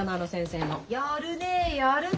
やるねやるね